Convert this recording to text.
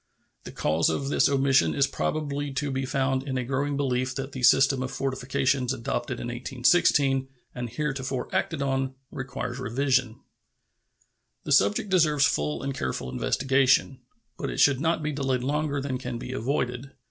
The cause of this omission is probably to be found in a growing belief that the system of fortifications adopted in 1816, and heretofore acted on, requires revision. The subject certainly deserves full and careful investigation, but it should not be delayed longer than can be avoided.